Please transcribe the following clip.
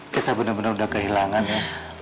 kita bener bener udah kehilangan ya